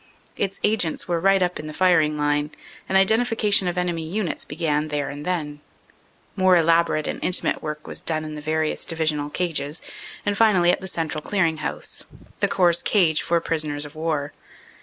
Its agents were right up in the firing line, and identification of enemy units began there and then. More elaborate and intimate work was done in the various Divisional cages, and finally at the central clearing house, the Corps cage for prisoners of war.